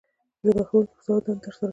زه به د ښوونکي په صفت دنده تر سره کووم